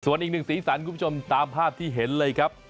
ส่วนอีกหนึ่งสีสันคุณผู้ชมตามภาพที่เห็นเลยครับ